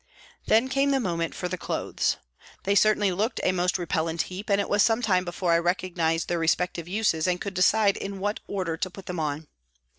Then came the moment for the clothes. They certainly looked a most repellent heap, and it was some time before I recognised their respective uses, and could decide in what order to put them on.